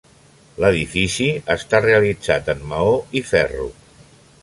L'edifici està realitzat en maó i ferro.